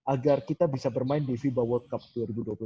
agar kita bisa bermain di fiba world cup